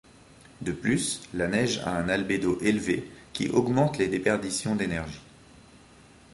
De plus, la neige a un albédo élevé qui augmente les déperditions d'énergie.